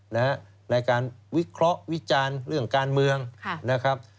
ในการวิเคราะห์วิจารณ์เรื่องการเมืองนะครับ